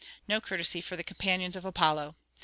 No courtesy for the companions of Apollo!